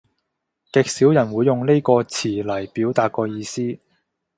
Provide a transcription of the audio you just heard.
極少人會用呢個詞嚟表達個意思